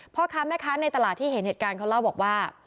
พ่อค้าแม่ค้าในตลาดที่เห็นเหตุการณ์เขาเล่าบอกว่า